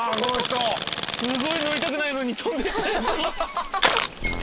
すごい乗りたくないのに飛んでったと。